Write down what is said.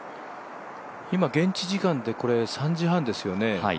今、現地時間でこれ３時半ですよね。